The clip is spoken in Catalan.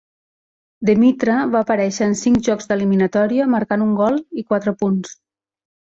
Demitra va aparèixer en cinc jocs d'eliminatòria, marcant un gol i quatre punts.